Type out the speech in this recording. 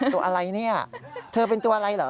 ตัวอะไรเนี่ยเธอเป็นตัวอะไรเหรอ